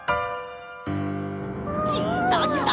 きたきた！